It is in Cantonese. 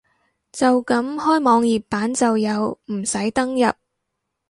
就咁開網頁版就有，唔使登入